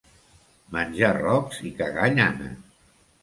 Menjar rocs i cagar llana.